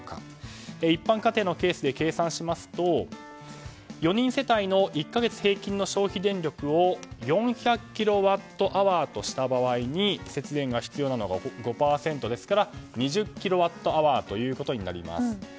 一般家庭のケースで計算すると４人世帯の１か月平均の消費電力を４００キロワットアワーとした場合に、節電が必要なのが５％ですから２０キロワットアワーとなります。